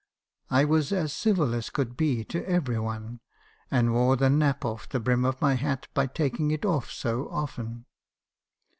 I was as civil as could be to every one; and wore the nap off the brim of my hat by taking it off so often.